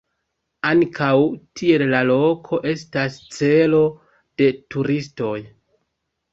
Ankaŭ tiel la loko estas celo de turistoj.